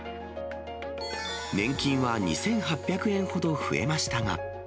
年金は２８００円ほど増えましたが。